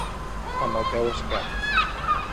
Amb el peu esquerre.